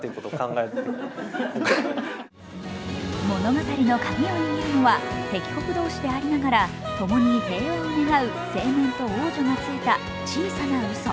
物語のカギを握るのは敵国同士でありながらともに平和を願う青年と王女のついた小さなうそ。